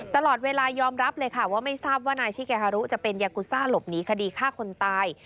ตลอดเวลายอมรับเลยค่ะว่าไม่ทราบว่านายชิเกฮารุจะเป็นยากุซ่าหลบหนีคดีฆ่าคนตาย